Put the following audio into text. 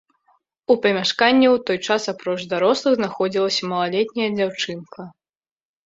У памяшканні ў той час апроч дарослых знаходзілася малалетняя дзяўчынка.